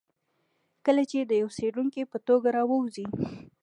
کله چې د یوه څېړونکي په توګه راووځي.